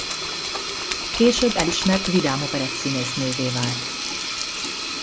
Később elismert vidám operett színésznővé vált.